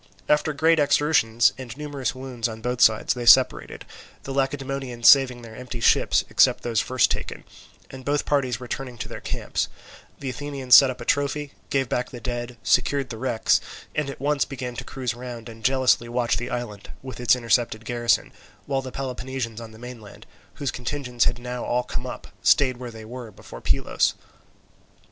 After great exertions and numerous wounds on both sides they separated, the Lacedaemonians saving their empty ships, except those first taken; and both parties returning to their camp, the Athenians set up a trophy, gave back the dead, secured the wrecks, and at once began to cruise round and jealously watch the island, with its intercepted garrison, while the Peloponnesians on the mainland, whose contingents had now all come up, stayed where they were before Pylos.